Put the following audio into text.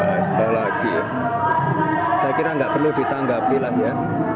astaga saya kira nggak perlu ditanggapi lah ya